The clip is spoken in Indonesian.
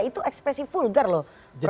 itu ekspresi vulgar loh prof hendrawan